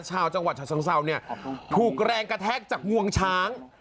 ชาวจังหวัดฉะเชิงเศร้าเนี่ยถูกแรงกระแทกจากงวงช้าง